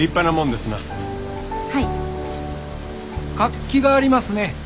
活気がありますね。